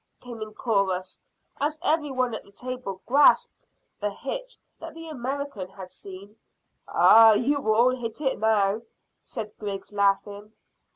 came in chorus, as every one at the table grasped the hitch that the American had seen. "Ah, you all hit it now," said Griggs, laughing.